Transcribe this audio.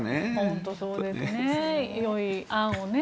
本当にそうですね。